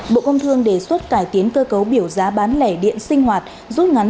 bộ công thương đề xuất cải tiến cơ cấu biểu giá bán lẻ điện sinh hoạt rút ngắn